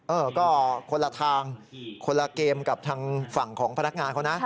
เออก็คนละทางคนละเกมกับทางฝั่งของพนักงานเขานะ